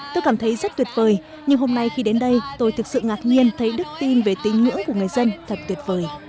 tôi cảm thấy rất tuyệt vời nhưng hôm nay khi đến đây tôi thực sự ngạc nhiên thấy đức tin về tín ngưỡng của người dân thật tuyệt vời